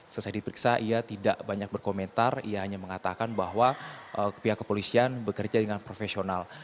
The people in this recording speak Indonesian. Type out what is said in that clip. selesai diperiksa ia tidak banyak berkomentar ia hanya mengatakan bahwa pihak kepolisian bekerja dengan profesional